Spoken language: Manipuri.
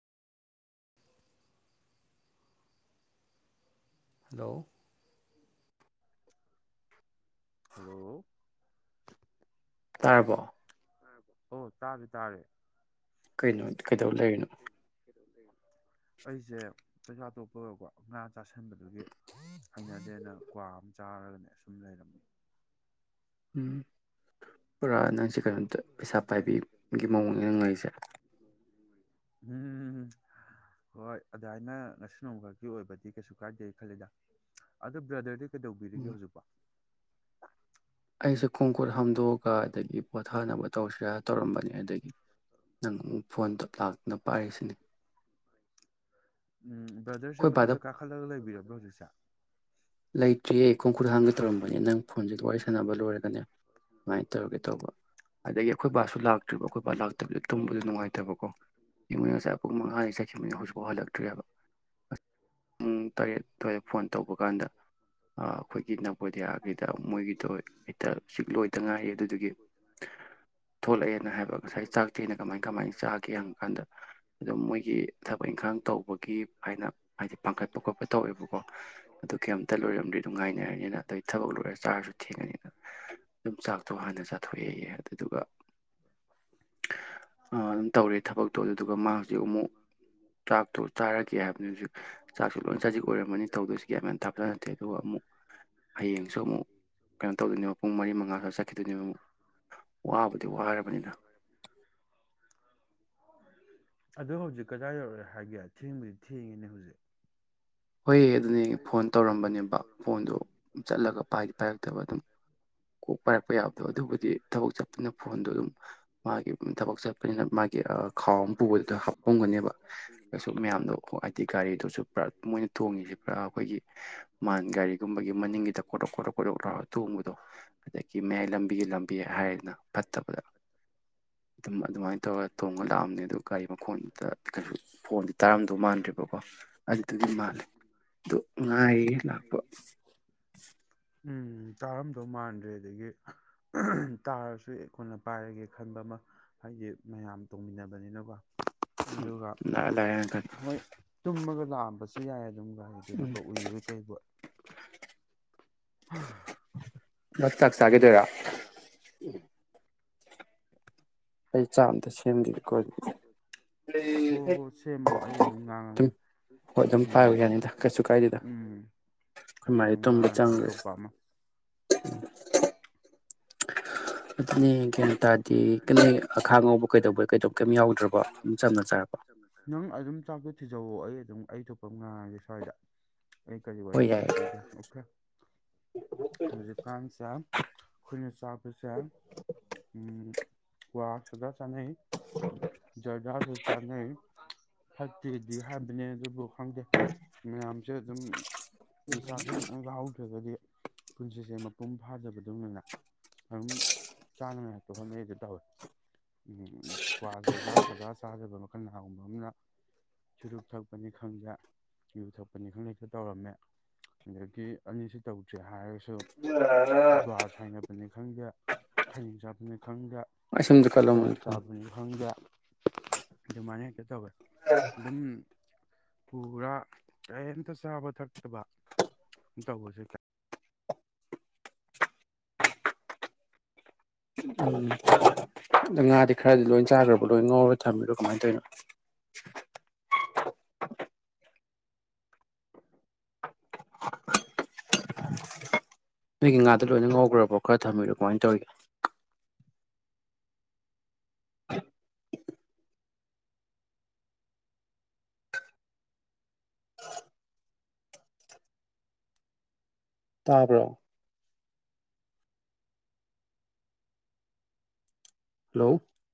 ꯍꯂꯣ ꯍꯜꯂꯣ ꯇꯥꯔꯕꯣ ꯑꯣ ꯇꯥꯔꯦ ꯇꯥꯔꯦ ꯀꯩꯅꯣ ꯀꯩꯗꯧ ꯂꯩꯔꯤꯅꯣ ꯑꯩꯁꯦ ꯆꯥꯛꯆꯥ ꯇꯣꯛꯄ ꯂꯣꯏꯔꯛꯄ ꯉꯥ ꯆꯥꯥꯁꯟꯕꯗꯨꯒꯤ ꯍꯩꯅꯗꯦꯅ ꯀ꯭ꯋꯥ ꯑꯃ ꯆꯥꯔꯒꯅꯦ ꯁꯨꯝ ꯂꯩꯔꯝꯃꯤ ꯎꯝ ꯄꯨꯔꯥꯅ ꯁꯤ ꯀꯩꯅꯣꯝꯇ ꯄꯩꯁꯥ ꯄꯥꯏꯕꯤꯒꯤ ꯃꯑꯣꯡꯅꯤ ꯅꯪ ꯎꯝ ꯍꯣꯏ ꯑꯗꯨꯃꯥꯏꯅ ꯉꯁꯤ ꯅꯣꯡꯈꯛꯀꯤ ꯑꯣꯏꯕꯗꯤ ꯀꯩꯁꯨ ꯀꯥꯏꯗꯦ ꯈꯜꯂꯤꯗ ꯑꯗꯣ ꯕ꯭ꯔꯗꯔꯗꯤ ꯀꯩꯗꯧꯕꯤꯔꯤꯒꯦ ꯎꯝ ꯍꯧꯖꯤꯛꯄꯣ ꯑꯩꯁꯦ ꯈꯣꯡꯈꯨꯠ ꯍꯥꯝꯗꯣꯛꯑꯒ ꯑꯗꯒꯤ ꯄꯣꯊꯥꯅꯕ ꯇꯧꯁꯤꯔ ꯇꯧꯔꯝꯕꯅꯤ ꯑꯗꯒꯤ ꯅꯪ ꯐꯣꯟꯗ ꯂꯥꯛꯇꯨꯅ ꯄꯥꯏꯔꯤꯁꯤꯅꯤ ꯎꯝ ꯕ꯭ꯔꯥꯗꯔꯁꯦ ꯃꯊꯛꯇ ꯀꯥꯈꯠꯂꯒ ꯂꯩꯕꯤꯔꯕ꯭ꯔꯣ ꯍꯧꯖꯤꯛꯁꯦ ꯇ꯭ꯔꯤꯌꯦ ꯈꯣꯡ ꯈꯨꯠ ꯍꯥꯝꯒꯦ ꯇꯧꯔꯝꯕꯅꯤ ꯅꯪ ꯐꯣꯟꯁꯤꯗ ꯋꯥꯔꯤ ꯁꯥꯟꯅꯕ ꯂꯣꯏꯔꯒꯅꯦ ꯁꯨꯃꯥꯏꯅ ꯇꯧꯔꯒꯦ ꯇꯧꯕ ꯑꯗꯒꯤ ꯑꯈꯣꯏ ꯕꯥꯁꯨ ꯂꯥꯛꯇ꯭ꯔꯤꯕ ꯑꯈꯣꯏ ꯕꯥ ꯂꯥꯛꯇꯕꯤꯗ ꯇꯨꯝꯕꯗ ꯅꯨꯡꯉꯥꯏꯇꯕꯀꯣ [unintelligible] ꯉꯁꯥꯏ ꯄꯨꯡ ꯃꯉꯥꯅꯤ ꯆꯈꯤꯕꯅꯤ ꯍꯧꯖꯤꯛꯐꯥꯎ ꯍꯜꯂꯛꯇ꯭ꯔꯤ ꯍꯥꯏꯕ ꯄꯨꯡ ꯇꯔꯦꯠ ꯑꯗꯨꯋꯥꯏ ꯐꯣꯟ ꯇꯧꯕ ꯀꯥꯟꯗ ꯑꯈꯣꯏ ꯕꯣꯗꯤꯌꯥꯒꯤꯗ ꯃꯣꯏꯒꯤꯗꯣ ꯍꯦꯛꯇ ꯁꯤꯛ ꯂꯣꯏꯇ ꯉꯥꯏꯔꯤ ꯑꯗꯨꯒꯤ ꯊꯣꯛꯂꯛꯑꯦꯅ ꯍꯥꯏꯕ ꯉꯁꯥꯏ ꯆꯥꯛꯇꯦꯅ ꯀꯃꯥꯏ ꯀꯃꯥꯏ ꯆꯥꯒꯦ ꯍꯪꯉ ꯀꯥꯟꯗ ꯑꯗꯨꯝ ꯃꯣꯏꯒꯤ ꯊꯕꯛ ꯏꯪꯈꯥꯡ ꯇꯧꯕꯒꯤ ꯍꯥꯏꯅ ꯍꯥꯏꯗꯤ ꯄꯥꯡꯈꯠꯄ ꯈꯣꯠꯄ ꯇꯧꯋꯦꯕꯀꯣ ꯑꯗꯨ ꯀꯩꯝꯇ ꯂꯣꯏꯔꯝꯗ꯭ꯔꯦ ꯑꯗꯨꯅꯨꯡꯉꯥꯏ ꯑꯗꯦꯏ ꯊꯕꯛ ꯂꯣꯏꯔ ꯆꯔꯁꯨ ꯊꯦꯟꯒꯅꯤꯅꯥ ꯑꯗꯨꯝ ꯆꯛꯇꯣ ꯍꯟꯅꯥ ꯆꯠꯍꯣꯛ ꯑꯌꯦ ꯑꯗꯨꯒꯥ ꯑꯗꯨꯝ ꯇꯧꯔꯦ ꯊꯕꯛꯇꯤ ꯑꯗꯨꯒꯥ ꯃꯥ ꯍꯧꯖꯤꯛ ꯑꯃꯨꯛ ꯆꯥꯛꯇꯣ ꯆꯔꯛ ꯀꯦ ꯍꯥꯏꯕꯅꯤ ꯍꯧꯖꯤꯛ ꯆꯥꯛꯁꯨ ꯂꯣꯏ ꯆꯖꯤꯛ ꯑꯣꯏꯔꯝꯃꯅꯤ ꯇꯧꯗꯣꯏꯁꯤ ꯀ ꯌꯥꯝ ꯊꯥꯆ ꯅꯠꯇꯦ ꯑꯗꯨꯒ ꯑꯃꯨꯛ ꯍꯌꯦꯡꯁꯨ ꯑꯃꯨꯛ ꯀꯩꯅꯣ ꯇꯧꯗꯣꯏꯅꯦꯕ ꯄꯨꯡ ꯃꯔꯤ ꯃꯉꯥꯁꯨ ꯆꯠꯈꯤꯗꯣꯏꯅꯦꯕ ꯑꯃꯨꯛ ꯋꯥꯕꯨꯗꯤ ꯋꯥꯔꯕꯅꯤꯗ ꯑ ꯍꯧꯖꯤꯛ ꯀꯗꯥꯏ ꯌꯧꯔꯦ ꯍꯥꯏꯒꯦ ꯊꯦꯡꯕꯗꯤ ꯊꯦꯡꯉꯤꯅꯦ ꯍꯧꯖꯤꯛ ꯍꯣꯏ ꯑꯗꯨꯅꯦ ꯐꯣꯟ ꯇꯧꯔꯝꯕꯅꯦꯕ ꯐꯣꯟꯗꯣ ꯆꯠꯂꯒ ꯄꯥꯏꯔꯛꯇꯕ ꯑꯗꯨꯝ ꯀꯨ ꯄꯥꯏꯔꯛꯄ ꯌꯥꯕꯗꯣ ꯑꯗꯨꯕꯨꯗꯤ ꯊꯕꯛ ꯆꯠꯄꯅ ꯐꯣꯟꯗꯣ ꯑꯗꯨꯝ ꯃꯥꯒꯤ ꯊꯕꯛ ꯆꯠꯄꯅꯤꯅ ꯃꯥꯒꯤ ꯈꯥꯎ ꯑꯃ ꯄꯨꯕꯗꯨꯗ ꯍꯥꯞꯄꯝꯒꯅꯦꯕ ꯀꯩꯁꯨ ꯃꯌꯥꯝꯗꯣ ꯍꯥꯏꯗꯤ ꯒꯥꯔꯤꯗꯨꯁꯨ ꯃꯣꯏꯅ ꯊꯣꯡꯉꯁꯤ ꯄꯨꯔꯥ ꯑꯩꯈꯣꯏꯒꯤ ꯃꯥꯟ ꯒꯥꯔꯤꯒꯨꯝꯕꯒꯤ ꯃꯅꯤꯡꯒꯤꯗ ꯀꯣꯗꯣꯛ ꯀꯣꯗꯣꯀ ꯀꯑꯣꯗꯣꯛ ꯂꯥꯑꯣꯔꯥ ꯊꯣꯡꯕꯗꯣ ꯑꯗꯒꯤ ꯃꯌꯥꯏ ꯂꯝꯕꯤꯒꯤ ꯂꯝꯕꯤ ꯍꯥꯏꯔꯅ ꯐꯠꯇꯕꯗ ꯑꯗꯨꯝ ꯑꯗꯨꯃꯥꯏꯅ ꯇꯧꯔꯒ ꯇꯣꯡꯉ ꯂꯥꯛꯑꯝꯅꯦ ꯑꯗꯨ ꯒꯥꯔꯤ ꯃꯈꯣꯟꯗꯨꯗ ꯀꯩꯅ ꯐꯣꯟꯗꯤ ꯇꯥꯔꯝꯗꯧ ꯃꯥꯟꯗ꯭ꯦꯔꯤꯕꯀꯣ ꯑꯗꯨꯒꯤ ꯃꯥꯜꯂꯦ ꯉꯥꯏꯔꯤ ꯂꯥꯛꯄ ꯎꯝ ꯇꯥꯔꯝꯗꯧ ꯃꯥꯟꯗ꯭ꯔꯦ ꯑꯗꯒꯤ ꯇꯥꯔꯁꯨ ꯑꯩ ꯀꯣꯟꯅꯥ ꯄꯥꯏꯔꯒꯦ ꯈꯟꯕ ꯑꯃ ꯍꯥꯏꯗꯤ ꯃꯌꯥꯝ ꯇꯧꯃꯤꯟꯅꯕꯅꯤꯅꯀꯣ ꯎꯝ ꯂꯥꯛꯑꯦ ꯂꯥꯛꯑ ꯍꯣꯏ ꯇꯨꯝꯃꯒ ꯂꯥꯛꯑꯝꯕꯁꯨ ꯌꯥꯏ ꯎꯝ ꯒꯥꯔꯤꯗꯨꯗꯀꯣ ꯎꯏꯨꯕꯣꯏ ꯀꯩꯕꯣꯏ [unintelligible] [unintelligible] ꯆꯥꯛꯆꯥꯒꯦꯗꯣꯏꯔꯥ? ꯁꯦꯝꯈꯤꯒꯦꯀꯣ ꯑꯗꯨꯝ ꯍꯣ ꯍꯣꯏ ꯁꯦꯝꯃꯣ ꯑꯩ ꯑꯗꯨꯝ ꯉꯥꯡꯉꯒꯦ ꯍꯣꯏ ꯑꯗꯨꯝ ꯎꯝ ꯄꯥꯏꯕ ꯌꯥꯅꯤꯗ ꯀꯩꯁꯨ ꯀꯥꯏꯗꯦꯗ ꯎꯝ ꯑꯩ ꯑꯩꯈꯣꯏ ꯃꯥꯗꯤ ꯑꯗꯨꯝ ꯇꯨꯝꯕ ꯉꯥꯡꯉꯒꯦ ꯆꯪꯈ꯭ꯔꯦ ꯑꯇꯣꯞꯄ ꯑꯃ ꯑꯗꯨꯅꯦ ꯒ꯭ꯌꯥꯟ ꯇꯥꯗꯦ ꯅꯣꯏ ꯑꯈꯥ ꯉꯧꯕ ꯀꯩꯗꯧꯕꯩ ꯀꯩꯗꯧ ꯀꯩꯝ ꯌꯥꯎꯗ꯭ꯔꯕꯣ ꯑꯗꯨꯝ ꯆꯝꯅ ꯆꯥꯔꯕꯣ [unintelligible] ꯅꯪ ꯑꯗꯨꯝ ꯆꯥꯛꯇꯣ ꯊꯤꯖꯧꯑꯣ ꯑꯩ ꯑꯩ ꯊꯣꯛꯄ ꯉꯥꯒꯤ ꯁ꯭ꯋꯥꯏꯗ ꯑꯩ ꯀꯔꯤ ꯍꯣꯏ ꯌꯥꯏꯌꯦ ꯂꯤꯁꯤꯒꯦ ꯑꯣꯀꯦ ꯍꯧꯖꯤꯛꯀꯥꯟꯁꯦ ꯑꯩꯈꯣꯏꯅ ꯆꯥꯕꯁꯦ ꯎꯝ ꯀꯋꯥ ꯁꯗ ꯆꯅꯩ ꯖꯔꯗꯥꯁꯨ ꯆꯥꯅꯩ ꯐꯠꯇꯤꯗꯤ ꯍꯥꯏꯕꯅꯦ ꯑꯗꯨꯕꯨ ꯈꯪꯗꯦ ꯃꯌꯥꯝꯁꯨꯦ ꯑꯗꯨꯝ ꯅꯤꯁꯥꯁꯦ ꯈꯤꯇꯪ ꯌꯥꯍꯥꯎꯗ꯭ꯔꯒꯗꯤ ꯄꯨꯟꯁꯤꯁꯦ ꯃꯄꯨꯡ ꯐꯥꯖꯕꯗꯧꯅꯤꯅ ꯑꯗꯨꯝ ꯆꯥꯅꯉꯥꯏ ꯍꯥꯛꯇ ꯍꯣꯠꯅꯩꯗ ꯇꯧꯏꯦ ꯀ꯭ꯋꯥꯖ ꯁꯥꯗꯥ ꯆꯥꯖꯕ ꯃꯈꯜ ꯀꯅꯥꯒꯨꯝꯕ ꯑꯃꯅ ꯆꯨꯔꯨꯞ ꯊꯛꯄꯅꯤ ꯈꯪꯗꯦ ꯌꯨ ꯊꯛꯄꯅꯤ ꯈꯪꯗꯦꯛꯇ ꯇꯧꯔꯝꯃꯦ ꯑꯗꯒꯤ ꯑꯅꯤꯁꯤ ꯇꯧꯗ꯭ꯔꯦ ꯍꯥꯏꯔꯒꯁꯨ ꯖꯨꯋꯥꯔ ꯁꯥꯏꯅꯕꯅꯤ ꯈꯪꯗꯦ ꯈꯩꯅꯤꯡ ꯆꯥꯕꯅꯤ ꯈꯪꯗꯦ ꯑꯁꯨꯝꯗ ꯀꯠꯂꯝꯃꯣ ꯇꯥꯂꯞ ꯆꯥꯕꯅꯤ ꯈꯪꯗꯦ ꯑꯗꯨꯃꯥꯏꯅ ꯍꯦꯛꯇ ꯇꯧꯋꯦ ꯑꯗꯨꯝ ꯄꯨꯔꯥ ꯀꯔꯤꯝꯇ ꯆꯥꯕ ꯊꯛꯇꯕ ꯇꯧꯕꯁꯦ ꯑꯗꯣ ꯉꯥꯗꯤ ꯈꯔꯗꯤ ꯂꯣꯏ ꯆꯥꯈ꯭ꯔꯕ ꯂꯣꯏ ꯉꯧꯔ ꯊꯝꯕꯤꯔꯣ ꯀꯃꯥꯏꯅ ꯇꯧꯔꯤꯅꯣ ꯅꯣꯏꯒꯤ ꯉꯥꯗꯣ ꯂꯣꯏꯅ ꯉꯧꯈ꯭ꯔꯕꯣ ꯈꯔ ꯊꯝꯕꯤꯔꯣ ꯀꯃꯥꯏꯅ ꯇꯧꯔꯤꯒꯦ ꯇꯥꯕ꯭ꯔꯣ ꯍꯜꯂꯣ